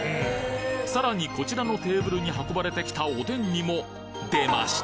さらにこちらのテーブルに運ばれてきたおでんにも出ました！